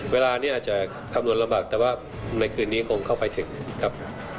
เวลานี้อาจจะคำนวณลำบากแต่ว่าในคืนนี้คงเข้าไปถึงครับ